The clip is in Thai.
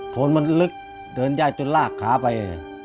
คนมันลึกเดินยากจนลากขาไป